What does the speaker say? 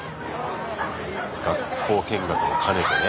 学校見学も兼ねてね。